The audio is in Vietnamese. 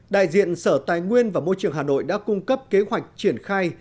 đại diện sở tài nguyên và môi trường hà nội đã cung cấp kế hoạch triển khai